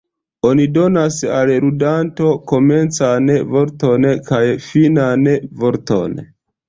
Oni donas al ludanto komencan vorton kaj finan vorton.